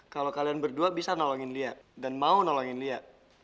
kalau kalian berdua bisa nolongin dia dan mau nolongin dia